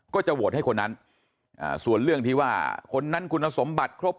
ก็จะโหวตให้คนนั้นส่วนเรื่องที่ว่าคนนั้นคุณสมบัติครบ